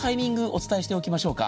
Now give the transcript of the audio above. お伝えしておきましょうか。